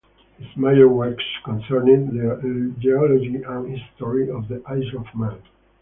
His major works concerned the geology and history of the Isle of Man.